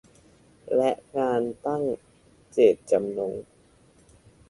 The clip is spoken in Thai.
และการตั้งเจตจำนง